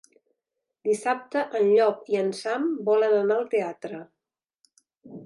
Dissabte en Llop i en Sam volen anar al teatre.